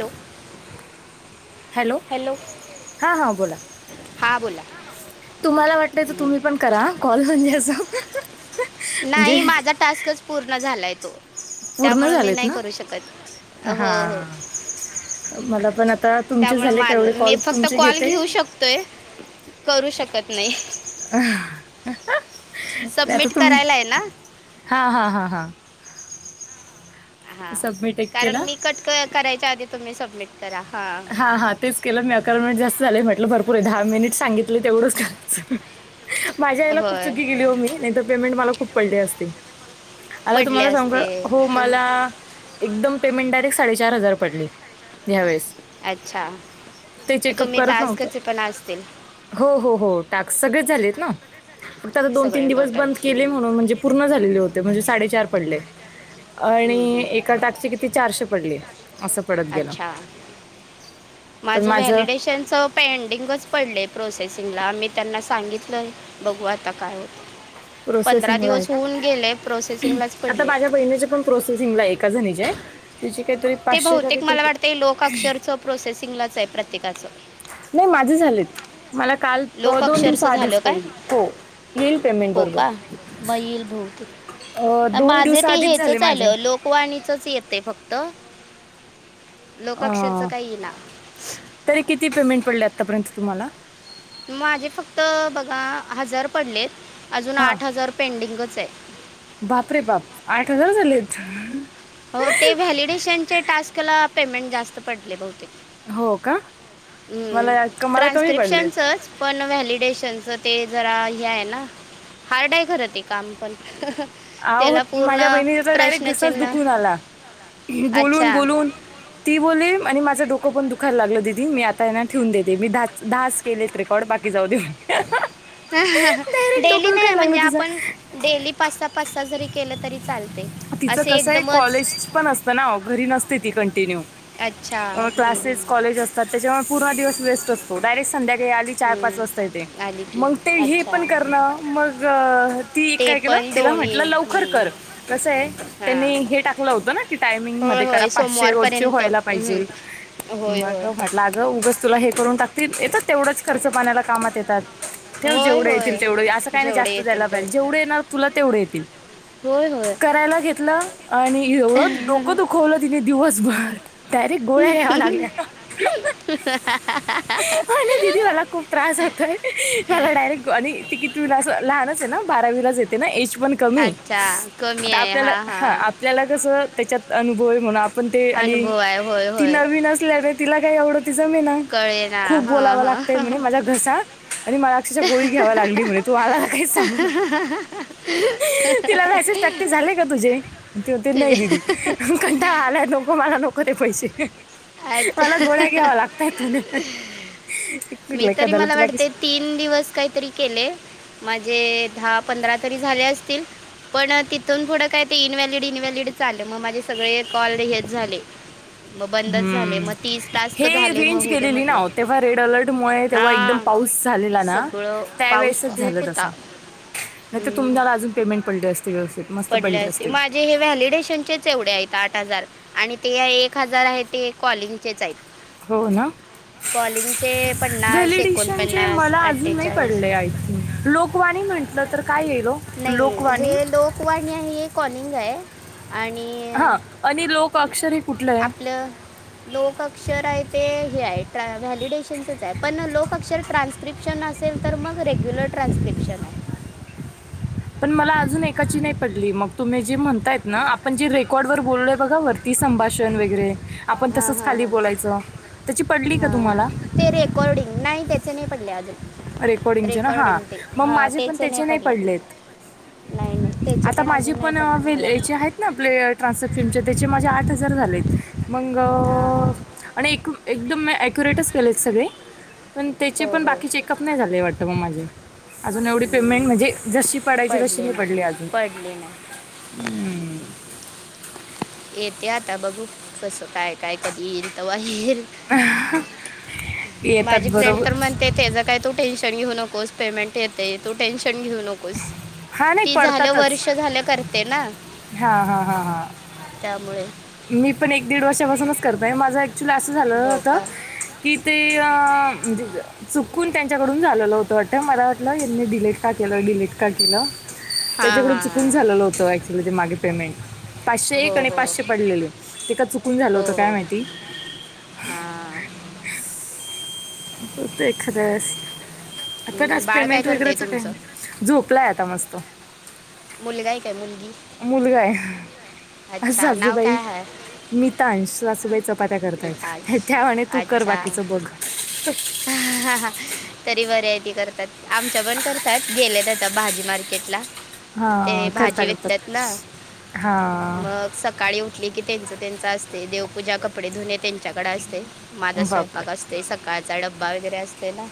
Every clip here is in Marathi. हॅलो. हॅलो हां हां बोला. हा बोला तुम्हाला वाटलं तर तुम्ही पण करा कॉल म्हणजे असं. म्हणजे नाही माझा टास्कच पूर्ण झालाय तो. पूर्ण त्यामुळे मी झालेत नाही ना करू शकत हो हो. हां मला पण आता तुमचे त्यामुळं झाले कावढे माझं मी कॉल फक्त तुमचे कॉल घेते. घेऊ शकतोय करू शकत नाही. आता सबमिट तुम् करायला आहे ना हा हा हा हा. हा सबमिट एक कारण केला मी कट क करायच्या आधी तुम्ही सबमिट. करा हां हा हा तेच केलं मी अकरा मिनिट जास्त झालंय म्हटलं भरपूर आहे दहा मिनिट सांगितले तेवढंच करायचं. माझ्या ह्याला खूप होय चुकी गेली हो मी नाहीतर पेमेंट मला खूप पडली असते. आता पडले तुम्हाला सांग असते हो मला. एकदम पेमेंट डयरेक्ट साडेचार हजार पडली ह्यावेेळेस. अच्छा तुम्ही करत नव्हते टास्कचे पण असतील. हो हो हो टास सगळे झालेत ना फक्त दोन तीन सगळे दिवस टोटल बंद केले म्हणून म्हणजे. पूर्ण झालेले होते म्हणजे साडेचार पडले. आणि एका टाकची किती चारशे पडली असं पडत गेलं. अच्छा माझं व्हॅलिडेशन च. पेंडिंगच पडलेय प्रोसेसिंगला मी त्यांना सांगितलंय बघू आता काय होत. प्रोसेसिंग आहे का प्रोसेसिंगलाच आता पडले माझ्या बहिणी चे पण. प्रोसेसिंगला एका जणीच्या आहे त्याची काहीतरी ते पाचशे का बहुतेक काहीतरी. मला वाटते लोक अक्षरचं प्रोसेसिंगलाच आहे प्रत्येकाचं. नाही माझे झालेत. मला काल अ लोक दोन दिवस अक्षरचं झालं आधीच काय कळली हो येईल पेमेंट बरोबर. बाई ईल अ, बहुतेक दोन माझे ते दिवसाआधीच झाले हेचच माझे आलं लोक कवाणीचच येते फक्त लोकाक्षरच अ, काही ये ना. तरी किती पेमेंट पडले आत्तापर्यंत तुम्हाला. माझे फक्त बघा हजार पडलेत अजून आठ हजार पेंडिंगच आहे. बाप रे बाप आठ हजार झाले आहेत. हो ते व्हॅलिडेशन चे टास्क ला पेमेंट जास्त पडले बहुतेक. हो का. हम्म मला क- मला कमी पडलेत ट्रान्स्क्रिप्शनचच पण व्हॅलिडेशनच ते जरा हे आहे ना. हार्ड आहे खरं ते काम पण. आह हो त्याला पूर्ण माझ्या बहिणी त्याचा डायरेक्ट घसाच प्रश्नचिन्ह दुखून आला. बोलून अच्छा बोलून ती बोलली आणि माझं डोकं पण दुखायला लागलं दिदी मी आता यांना ठेवून देते, मी दहाच दहाच केलेत रेकॉर्ड बाकी जाऊ देऊन डेली नाही म्हणजे तिचं आपण डेली पाच सहा पाच सहा जरी केलं तरी चालत. तिचं कसं आहे कॉलेज पण असतं ना घरी नसते ती कंटिन्यू. अच्छा हम्म, क्लासेस हम्म, कॉलेज असतात त्याच्यामुळे पूर्ण दिवस वेस्ट असतो. डायरेक्ट संध्या आ चार पाच वाजता येते. हम्म. आली की मग ते हे अच्छा पण करण मग ती ते काय केलं पण तिला दोन्ही म्हटलं लवकर हम्म. कर. कसं आहे हां त्यांनी हे टाकलं होतं ना की टायमिंग होय मध्ये करा होय पाचशे रोजचे सोमवारपर्यंत व्हायला पाहिजे. हम्म. होय होय. लागं उगस तुला हे करून टाकतील. येतात तेवढंच खर्च पाण्याला कामात येतात. ठेव होय जेवढे होय येतील तेवढं. असं काही नाही जेवढे जास्त जायला येतील तेवढे पाहिजे जेवढे येणार तुला तेवढे येतील. होय होय. करायला घेतलं आणि एवढं डोकं दुखवलं तिने दिवसभर. डायरेक्ट गोळ्या घ्याव्या लागल्या [inaudible] ह. नाही दीदी मला खूप त्रास होतय मला डायरेक्ट आणि ती कितवी ला लहानच आहे ना बारावीलाच ये. एज पण कमी अच्छा कमी आहे आपल्याला हा ह हा आपल्याला कस. त्याच्यात अनुभव आहे म्हणून पण ते आणि अनुभव आहे होय ती होय नवीन असल्याने तिला काही आवड त जमे ना कळे ना खूप हां बोलावं लागत. हां म्ह माझ्या घरसा आणि मला गोळी घ्यायला लागली म्हणे तू मला काहीच सांगू नको. तिला टाकते झाले का तुझे? ते म्हणते नाही तुझे दिदी. कंटाळा आलाय नको मला नको ते पैसे. मला अच्छा गोळ्या घ्यावा लागतायत म्हणे. मी तरी मला वाटते [unintelligible] तीन दिवस काहीतरी केले. माझे दहा पंधरा तरी झाले असतील. पण तिथून पुडं काय ते इनव्हलिड इनव्हॅलिड च आले. मग माझे सगळे कॉल हेच झाले. हम. मग बंदच. झाले मग तीस टास्क झाले. मग रेंज होऊ दे गेलेली ना म्हटल. हो, तेव्हा रेड अलर्टमुळे तेव्हा एकदम हा. पाऊस झालेला ना पाऊस त्यावेळेसच खूप झालं होता. तसा नाही तर हम्म तुम्हाला अजून पेमेंट पडले असते व्यवस्थित मस्त पडले असते माझ्या हे वॅलिडेशन चेच एवढे आहेत आठ हजार आणि ते आहे एक हजार आहे ते कॉलिंग हो ना. कॉलिंगचे पन्नास व्हलिडिशन एकोणपन्नास मला अजून नाही अठ्ठेचाळीस पडले आय थिंक. लोकवाणी म्हण म्हलं तर काय येईल ओ लोकवाणी ते लोकवाणी ही एक कॉलिंग आहे. आणि हा आणि लोक अक्षर हे कुठलं आहे आपलं लोक अक्षर आहे ते हे आहे व्हॅलिडेशनचच आहे पण लोक अक्षर ट्रान्स्क्रिप्शन असे तर मग रेग्युलर ट्रान्स्क्रिप्शन आहे. पण मला अजून एकाची नाही पडली. मग तुम्ही जे म्हणताय ना आपण जी रेकॉर्ड वर बोललोय बघा. ती संभाषण वगैरे आपण हां तसंच हां खाली हां बोलायचं त्याची पडली का तुम्हाला? तेरे अकॉर्डिंग नाही त्याचे नाही पडले अजून. रेकॉर्डिंगचे ना हां रेकॉर्डिंग ते मग हा माझे पण तेच नाही त्याचे पडले. पडलेत नाही नाही त्याचे आता पण माझे अजून नाही अं, पडले वेल मला पण. याचे आहेत आपले ट्रान्स फिमच्या त्याचे माझे आठ हजार झालेत मग हां हां आणि एक एकदम अॅक्युरेटच केलेत सगळे पण त्याचे हो पण हो बाकीचेक कप नाही झालेय वाटतं मग माझे अजून एवढी पेमेंट म्हणजे जशी पडायची तशी पडले नाही पडली अजून पडले नाही हम्म. येते आता बघू कसं काय काय कधी येईल तर वा येल [unintelligible] माझी फ्रेंड बरोबर तर म्हणते त्याच काय तू टेन्शन घेऊ नकोस पेमेंट येते तू टेन्शन घेऊ नको. हा नाही ती झालं पडतातच वर्ष झालं करते ना. हा हा हा हा त्यामुळे मी पण एक दीड वर्षापासूनच करतय माझं ऍक्च्युअली असं झालेलं हो होतं. का की ते म्हणजे चुकून त्यांच्याकडून झालेलं होतं अटय मला वाटलं यांनी डिलेट का केलं डिलेट का केलं. हां त्याच्याकडून हां चुकून हां झालेलं होतं ऍक्च्युली ते मागे पेमेंट पाचशे एक हो आणि हो पाचशे पडलेले ते का चुकून झालं हो होतं काय हो माहिती हां हो तर एखाद्यास आता हम्म, नास बाळ काय पेमेंट करते वगैरेच काय तुमचं ना झोपला आहे आता मस्त मुलगाय काय मुलगी मुलगा आहे अच्छा नाव साजूबाई काय आहे मिितांश सूबाईचा पात्या मिताज करतायत त्या तू कर बाकीचं बघ. ह हा हा. तरी व्हरायटी करतात आमच्या पण करतात गेलेत आता भाजी मार्केटला ते हा करता भाजी करता वेततात ना. हा मग सकाळी उठली की त्यांच त्यांच असते देवपूजा कप कपडे धुने त्यांच्याकडे असते माझा बापरे स्वयंपाक असते सकाळचा डब्बा वगैरे असते ना.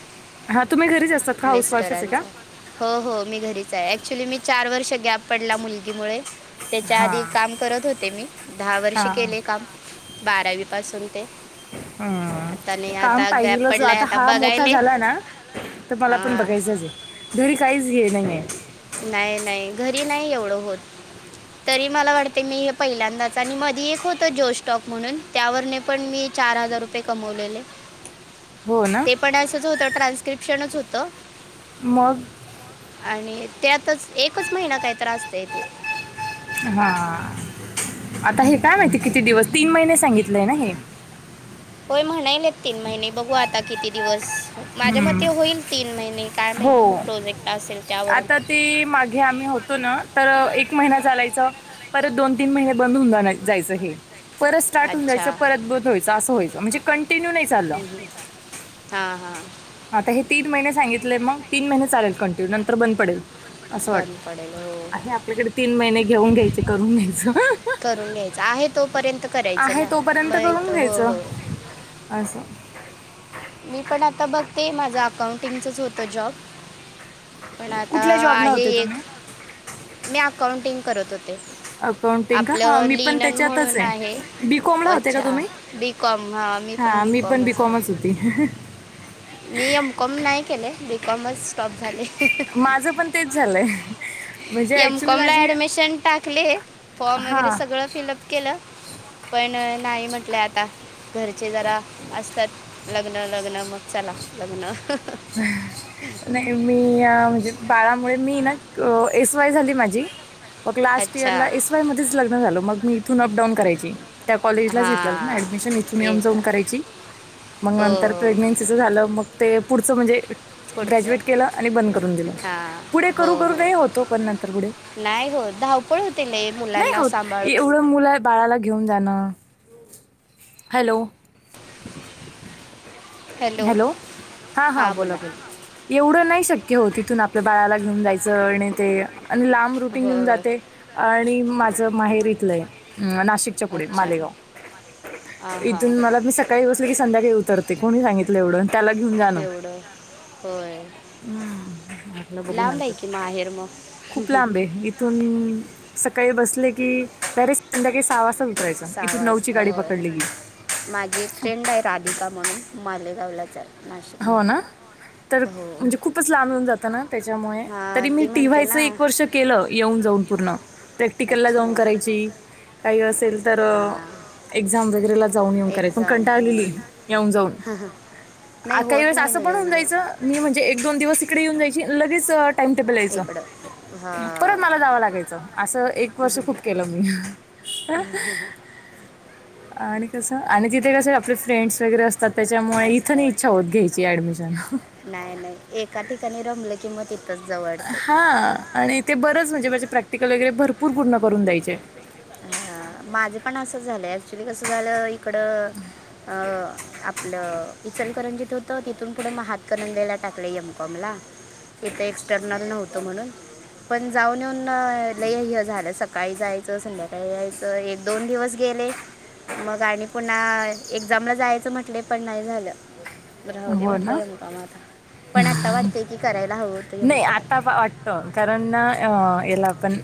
हा तुम्ही घरीच असतात का हाऊसवाईफच आहे का? मिस्टरांचा हो हो मी घरीच आहे ऍक्च्युली मी चार वर्ष गॅप पडला मुलगी मु त्याच्या हा आधी काम करत होते मी दहा वर्ष हा केले काम बारावी पासून ते आता हम्म नाही काम आता गॅप पाहिजेलं ज पडलाय आता हा मोठा बघायले झाला ना. तर मला पण हा. बघायचंच आहे धोरी काहीच घे नाहीे. नाही नाही घरी नाही एवढं होत. तरी मला वाटते मी हे पहिल्यांदाच आणि मधी एक होत जो सटॉक म्हणून त्यावरने पण मी चार हजार रुपये कमवलेले. [unintelligible] ते पण असंच होत ट्रान्स्क्रिप्शनच होत. मग आणि त्यातच एकच महिना काही त्रासत य तेे हा आता हे काय माहितीय किती दिवस तीन महिने सांगितलेय ना हे. होय म्हणायल तीन महिने बघू आता किती दिवस माझ्या हम्म. मते होईल तीन महिने काय नाही हो प्रोजेक्ट असेल त्यावरून आता ते मागे आम्ही होतो ना तर एक महिना चालायच. परत दोन तीन महिने बंद होऊ जा जायचं हे. परत स्टार्ट होऊ अच्छा जायं परत बधवायं असं वयच म्हजे कंटिन्यू नाही. चाललं हम् ह हा हा. आता हे तीन महिने सांगितले मग तीन महिने चालेल कंटिन्यू नंतर बंद पडेल. असं बंद पडेल हो हो. वाटत हे आपल्याकडे तीन महिने घेऊन घ्यायचे करून घ्यायचं. करून घ्यायच आहे तोपर्यंत करायचं आहे ना माहित हो हो. अस स. मी पण आता बघते माझं अकाउंटिंगचच होतं जॉब पण आता कुठल्या जॉबला आहे होते एक तुम्ही मी अकाउंटिंग करत होते. अकाउंटिंग का हा आपलं मी पण लिनन त्याच्यातच म्हणून आहे बीकॉम ला होते का अच्छा तुम्ही? बी कॉम हां हा बी मी पण कॉमच आहे बीकॉमच होती. मी एमकॉम नाही केले बीकॉमच टॉप झाले. माझं पण तेच झालंय म्हणजे ऍक्च्युली एमकॉमला माझी ऍडमिशन टाकले. फॉर्म वगैरे हा सगळं फिलआप केलं पण नाही म्हटलं आता घरचे जरा असतात. लग्न लग्न मग चला लग्न. स नाही मी म्हणजे बाळामुळे मी ना एस वाय झाली माझी मग लास्ट इयर अच्छा ला एस वाय मध्येच लग्न झाल मग मी इथून अपडाऊन करायची. त्या कॉलेजला घेतलल हां ऍडमिशन इथून ये येऊन जा जाऊन करायची. हो नंतर मग हो प्रेग्नेंट तच झालं मग ते पुढचं म्हणजे पुढचं ग्रॅज्युएट केलं आणि बंद करून दिलं हां पुढे हो करू करू हो नाही होतो पण नंतर पुढे नाही हो धावपळ होते ना नाही मुलांना होत सांभाळून एवढं मुलं बाळाला घेऊन जाणं, हॅलो [unintelligible] हॅलो हा हा बोला बोला. एवढं नाही शक्य हो तिथून आपल्या बाळाला घेऊन जायचं आणि ते आणि लांब रुटीन हो येऊन जात आणि माझ माहेर इथलये नाशिक. च्या पुढे अच्छा मालेगाव हां इथून हां मी मला सकाळी बसले की संध्याकाळी तर ते कोणी सांगितलं एवढं त्याला घेऊन जाणं. एवढं होय हम् म्हटले बघू लांब आहे नंतर की माहेर मग खूप लांबे ये. इथून सकाळी बसले की डायरेक्ट संध्याकाळी सहा वाजताच उतर उतरायचं सहा इथून नऊची वाजता गाडी होय पकडली की, माझी एक फ्रेंड आहे राधिका म्हणून मालेगावला आहे. नाशिकला हो ना. तर हो म्हणजे खूपच लांब येऊन जात ना त्याच्यामुळे तरी हां मी ती टी म्हणते वाय चं ना एक वर्ष केलं येऊन जाऊन पूर्ण प्रॅक्टिकलला अच्छा जाऊन करायची काही असेल तर हां एक्झाम वगैरेला जाऊन येऊन कराय पण एक्झाम कंटाळलेली येऊन जाऊन आ नाही काही होत वेळेस नाही असं लय पण होऊन येऊन जायचं जाऊन मी म्हणजे एक दोन दिवस तिकडे येऊन जायची लगेच टाइम टेबल यायचं. इकडं परत मला हां जावं लागायचं असं एक वर्ष खूप केलं मी आणि कसं आणि तिथे कस आपले फ्रेंड्स वगैरे असतात त्याच्यामुळे इथ नाही. असतात इचछा होत घ्यायची ऍडमिशन. नाही नाही एका ठिकाणी रमले की मग तिथंच जाऊ वाटतंय. ह आणि ते बरंच म्हणजे माझे प्रॅक्टिकल वगैरे भरपूर पूर्ण करून द्यायचे. ह माझं पण असं झालं ऍक्च्युली कस झालं. इकड अ आपलं इचलकरंजीत होतं तिथून पुढं म हातकणंगलेला टाकलं एमकॉम ला. इथं एक्सटर्नल नव्हतं म्हणून. पण जाऊन येऊन लइ हे झालं सकाळी जायचं संध्याकाळी यायचं एक दोन दिवस गेले. मग आणि पुन्हा एक्झामला जायचं म्हटले पण नाही झालं. राह दे हो म्हटलं ना? एम कॉम आता पण आत्ता वाटतय की करायला हवं होतं एम कॉम. हो कारण ना याला आपण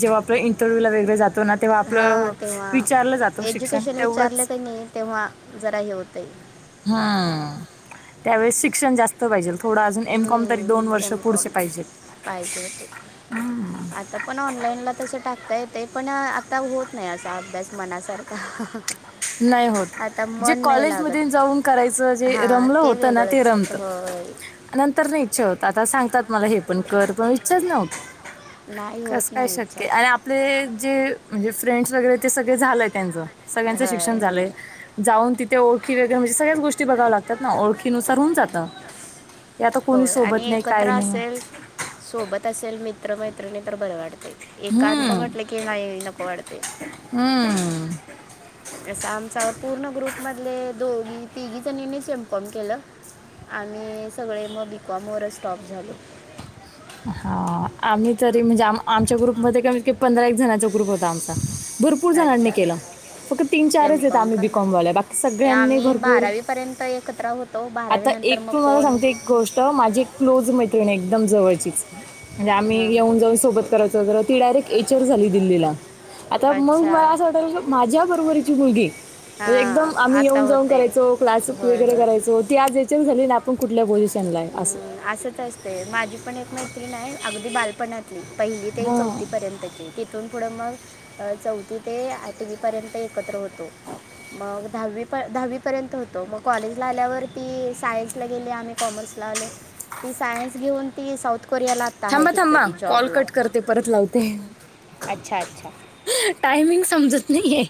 जेव्हा आपलं इंटरव्ह्यू ला वेगळे जात. ना तेव्हा हा आपलं तेव्हा विचारलं जातो शिक्षण एज्युकेशन विचारलं तेवढंच की नाही तेव्हा जरा हे होतं आहे. हम्म त्यावेळेस शिक्षण जास्त पाहिजे. थोडा अजून एमकॉम तरी दोन वर्ष एम कॉम पुढचे पाहिजेत. पाहिजे होते आता पण ऑनलाईन ला तस टाकता येते पण ता होत नाही असा अभ्यास मनासारखा नाही आता होत जे मन नाय कॉलेजमध्ये जाऊन करायचं लागत जे हा रमलं ते होतं ना ते वेगळंच रमतं. होय. नंतर नाय इच्छा होत आता सांगतात मला हे पण कर पण इच्छाच नाय होत. नाही होत नाय इच्छा पले जे म्हणजे फ्रेंड्स वगैरे ते सगळे झालंय त्यांचं सगळ्यांचं शिक्षण होय झालंय. जाऊन तिथे ओळखी वगैरे म्हणजे सगळ्याच गोष्टी बघाव लागतात ना ओखीनुसार होऊन जातं. हे आता कोणी होय आणि सोबत नाही काय एकत्र नाही असेल सोबत असेल मित्र मैत्रिणी तर बरं वाटतय. एकांत हम्म. म्हटलं की नाही नको वाढते. हुं अस आमचा पूर्ण ग्रुप मधले दोघी तिघी जणीनीच एम कॉम केलं. आणि सगळे मग बी कॉम वरच स्टॉप झालो. हा आम्ही तरी म्हणजे आम आमच्या ग्रुपमध्ये कमीत कमी पंधरा एक जणांचा ग्रुप होता आमचा भरपूर जणांनी अच्छा केलं. फक्त तीन एम चारच येत आम्ही का बी कॉम वाल्या बाकी हे सगळ्यांनी आम्ही भरपूर बारावीपर्यंत एकत्र होतो आता बारावीनंतर एक मग तुम्हाला कोण सांगते एक गोष्ट माझी एक क्लोज मैत्रिणीये एकदम जवळचीच म्हणजे आम्ही हां येऊन जाऊन सोबत करायचो तर ती डायरेक्ट एच आर झाली दिल्लीला आता मंग अच्छा मला असं वाटायला लागल की माझ्या बरोबरची मुलगी एकदम हां आम्ही आता येऊन जाऊन होते करायचो क्लास होय वगैरे होय करायचो ती आज एच आर झाली ना आपण कुठल्या पोझि अम्म असचं असतय माझी पण एक मैत्रीण हाय अगदी बालपणात हं पहिली ते हा चौथी पर्यंतचं ये तिथून पुढं मग अ चौथी ते आठवीपर्यंत एकत्र होत तो मग दहावी प दहावी पर्यंत होतो मग कॉलेजला आल्यावरती सायन्सला गेले आम्ही कॉमर्स ला आलो ती सायन्स घेऊन ती साऊथ कोरियाला आत्ता आहे थांबा तिथं थांबा ती कॉल जॉबला कट करते परत लावते. अच्छा अच्छा टायमिंग समजत नाहीये.